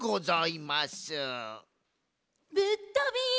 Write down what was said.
・ぶっとび！